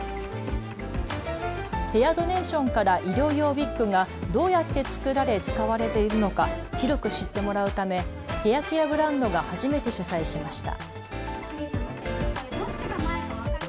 ヘアドネーションから医療用ウイッグがどうやって作られ、使われているのか広く知ってもらうためヘアケアブランドが初めて主催しました。